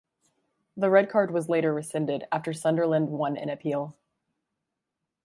The red card was later rescinded after Sunderland won an appeal.